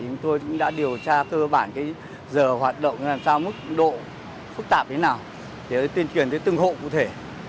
chúng tôi cũng đã điều tra cơ bản giờ hoạt động làm sao mức độ phức tạp thế nào để tuyên truyền tới từng hộ cụ thể